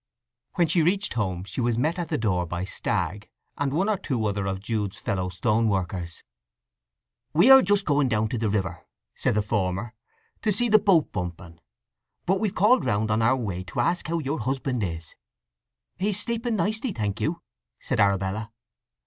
When she reached home she was met at the door by Stagg, and one or two other of Jude's fellow stoneworkers. "We are just going down to the river," said the former, "to see the boat bumping. But we've called round on our way to ask how your husband is." "He's sleeping nicely, thank you," said Arabella.